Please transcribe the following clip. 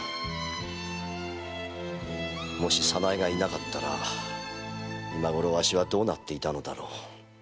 もし早苗がいなかったら今ごろわしはどうなっていたのだろう。